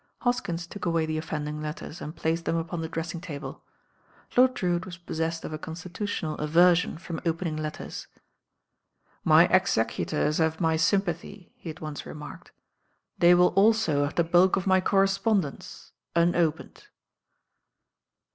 Hoskini took away the offending letters and placed them upon the dressing table. Lord Drewitt was possessed of a constitutional aversion from opening letters. "My executors have my sympathy," he had once remarked; "they will also have the bulk of my correspondence— un opened."